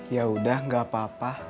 yaudah gak apa apa